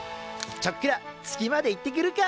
「ちょっくら月まで行ってくるか」